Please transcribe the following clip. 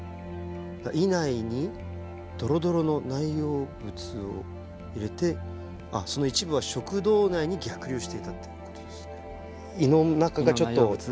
胃内にドロドロの内容物を入れてあっその一部は食道内に逆流していたってことですね。